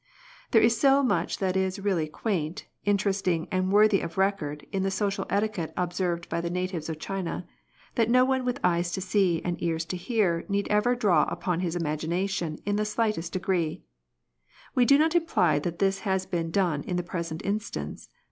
There is so much that is really quaint, interesting, and worthy of record in the social etiquette observed by the natives of China, that no one with eyes to see and ears to hear need ever draw upon his imagination in the slightest degree. We do not imply that this has been done in the present instance.